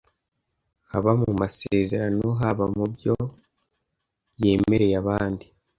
haba mu masezerano, haba mu byo yemereye aband